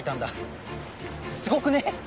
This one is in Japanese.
すごくね？